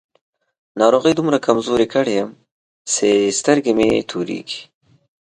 ناروغۍ دومره کمزوری کړی يم چې سترګې مې تورېږي.